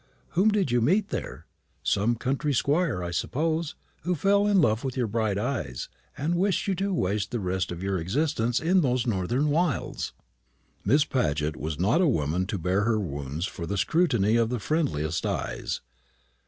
Whom did you meet there? Some country squire, I suppose, who fell in love with your bright eyes, and wished you to waste the rest of your existence in those northern wilds." Miss Paget was not a woman to bare her wounds for the scrutiny of the friendliest eyes.